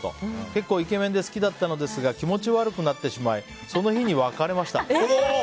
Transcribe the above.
結構イケメンで好きだったのですが気持ち悪くなってしまいその日に別れました。